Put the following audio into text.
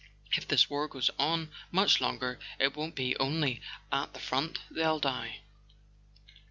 If this war goes on much longer, it won't be only at the front that they'll die."